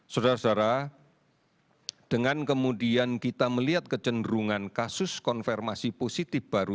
saudara saudara dengan kemudian kita melihat kecenderungan kasus konfirmasi positif baru